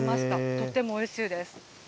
とてもおいしいです。